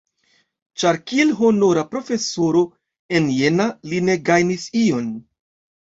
Ĉar kiel honora profesoro en Jena li ne gajnis ion!